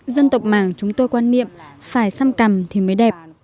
dân tộc mảng chúng tôi quan niệm phải xăm cằm thì mới đẹp